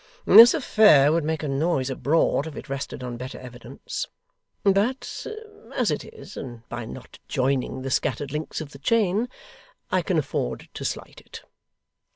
This affair would make a noise abroad, if it rested on better evidence; but, as it is, and by not joining the scattered links of the chain, I can afford to slight it.